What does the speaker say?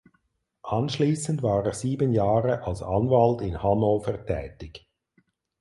Anschließend war er sieben Jahre als Anwalt in Hannover tätig.